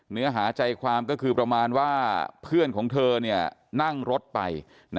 เนื้อหาใจความก็คือประมาณว่าเพื่อนของเธอนั่งรถไป